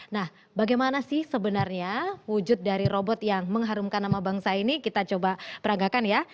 nah bagaimana sih sebenarnya wujud dari robot yang mengharumkan nama bangsa ini kita coba peranggakan ya